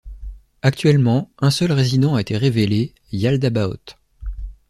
Actuellement, un seul Résident a été révélé, Yaldabaoth.